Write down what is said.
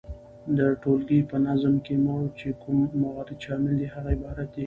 د ټولګي په نظم کي چي کوم موارد شامل دي هغه عبارت دي،